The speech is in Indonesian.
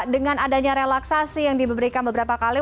dengan adanya relaksasi yang diberikan beberapa kali